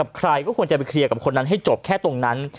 ใครก็ควรจะไปเคลียร์กับคนนั้นให้จบแค่ตรงนั้น